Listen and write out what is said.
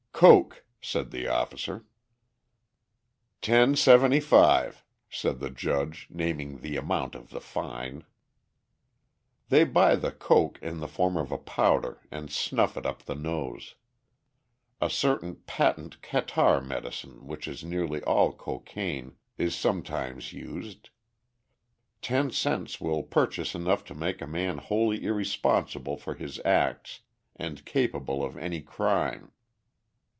"Coke," said the officer. "Ten seventy five," said the judge, naming the amount of the fine. They buy the "coke" in the form of a powder and snuff it up the nose; a certain patent catarrh medicine which is nearly all cocaine is sometimes used; ten cents will purchase enough to make a man wholly irresponsible for his acts, and capable of any crime.